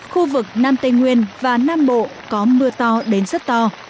khu vực nam tây nguyên và nam bộ có mưa to đến rất to